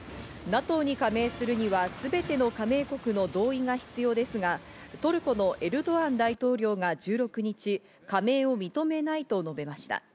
ＮＡＴＯに加盟するにはすべての加盟国の同意が必要ですが、トルコのエルドアン大統領が１６日、加盟を認めないと述べました。